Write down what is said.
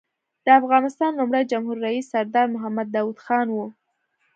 د افغانستان لومړی جمهور رییس سردار محمد داود خان و.